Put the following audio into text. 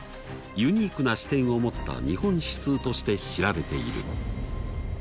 ユニークな視点を持った日本史通として知られている。